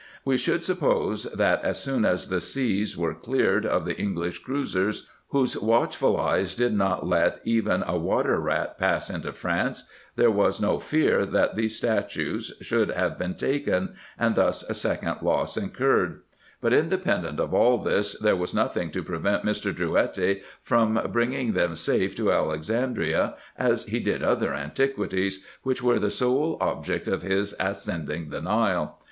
We should suppose, that as soon as the seas were cleared of the English cruizers, whose watchful eyes did not let even a water rat pass into France, there was no fear that these statues should have been taken, and thus a second loss incurred: but independent of all this, there was nothing to prevent Mr. Drouetti from bringing them safe to Alexandria, as he did other antiquities, which were the sole object of his ascending the Nile.